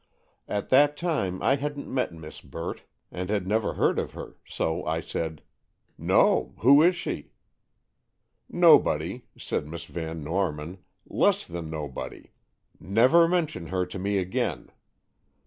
At that time, I hadn't met Miss Burt, and had never heard of her, so I said: 'No; who is she?' 'Nobody,' said Miss Van Norman, 'less than nobody! Never mention her to me again!